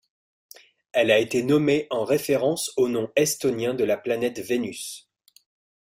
Elle a été nommée en référence au nom estonien de la planète Vénus.